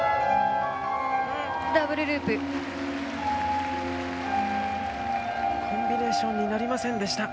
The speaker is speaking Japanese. ・ダブルループ・コンビネーションになりませんでした